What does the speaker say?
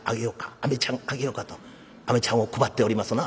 アメちゃんあげようか』とアメちゃんを配っておりますな」。